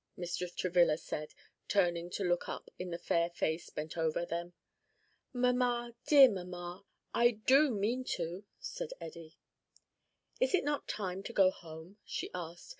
Mr. Travilla said, turning to look up into the fair face bent over them. "Mamma, dear mamma, I do mean to," said Eddie. "Is it not time to go home?" she asked.